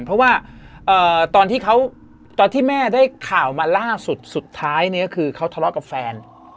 เพราะว่าตอนที่เขาตอนที่แม่ได้ข่าวมาล่าสุดสุดท้ายเนี่ยคือเขาทะเลาะกับแฟน